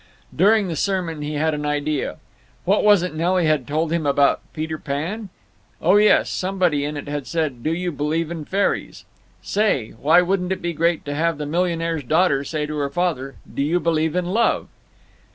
During the sermon he had an idea. What was it Nelly had told him about "Peter Pan"? Oh yes; somebody in it had said "Do you believe in fairies?" Say, why wouldn't it be great to have the millionaire's daughter say to her father, "Do you believe in love?"